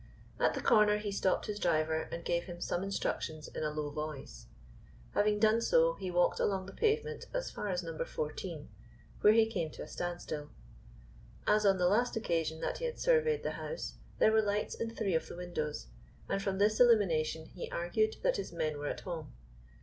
At the corner he stopped his driver and gave him some instructions in a low voice. Having done so, he walked along the pavement as far as No. 14, where he came to a standstill. As on the last occasion that he had surveyed the house, there were lights in three of the windows, and from this illumination he argued that his men were at home.